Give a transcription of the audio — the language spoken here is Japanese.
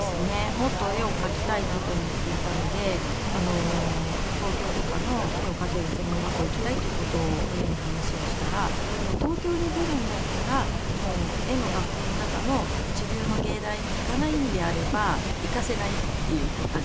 もっと絵を描きたいなと思っていたので東京とかの絵を描ける専門学校へ行きたいっていう事を親に話をしたらもう東京に出るんだったら絵の学校の中の一流の芸大に行かないのであれば行かせないっていう事で。